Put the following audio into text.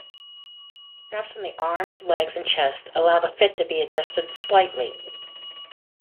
Straps on the arms, legs and chest allow the fit to be adjusted slightly.